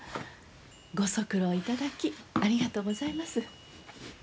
ご足労いただきありがとうございます。